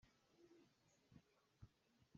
Ti le cite in na kam naa ṭhuah lai.